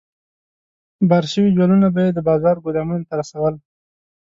بار شوي جوالونه به یې د بازار ګودامونو ته رسول.